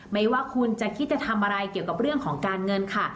ไม่ว่าคุณจะคิดจะทำอะไรเกี่ยวกับเรื่องของการเงินค่ะ